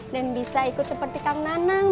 dan bisa ikut seperti kang nanang